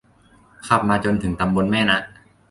ขับมาจนถึงตำบลแม่นะ